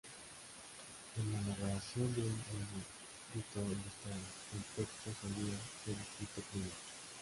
En la elaboración de un manuscrito ilustrado, el texto solía ser escrito primero.